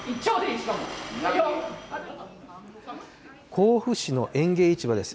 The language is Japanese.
甲府市の園芸市場です。